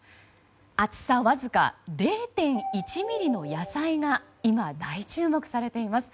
厚さわずか０．１ｍｍの野菜が今、大注目されています。